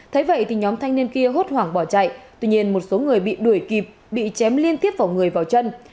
thế vậy thì nhóm thanh niên kia hốt hoảng bỏ chạy tuy nhiên một số người bị đuổi kịp bị chém liên tiếp vào người vào chân